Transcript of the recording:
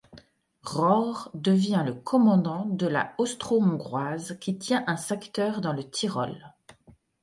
Rohr devient le commandant de la austro-hongroise qui tient un secteur dans le Tyrol.